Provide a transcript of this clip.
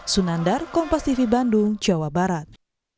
sunandar kompas tv bandung jawa barat